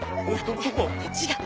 違う！